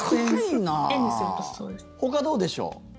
ほかはどうでしょう。